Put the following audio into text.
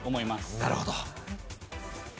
なるほど。